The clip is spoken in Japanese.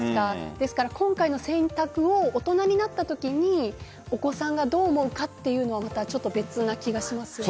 ですから今回の選択を大人になったときにお子さんがどう思うかというのはまたちょっと別な気がしますね。